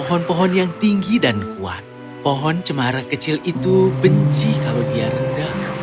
ini dia inilah burung burung